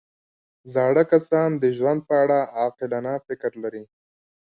زاړه کسان د ژوند په اړه عاقلانه فکر لري